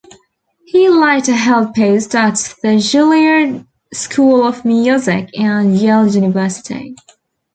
He later held posts at the Juilliard School of Music and Yale University.